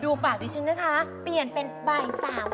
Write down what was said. ดูปากดีชินนะคะเปลี่ยนเป็นบ่าย๓๓๐